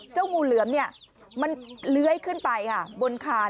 เจ้างูเหลือมเนี่ยมันเล้ยขึ้นไปอ่ะบนคาน